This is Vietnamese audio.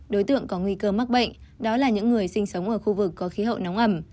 đối tượng có nguy cơ mắc bệnh đó là những người sinh sống ở khu vực có khí hậu nóng ẩm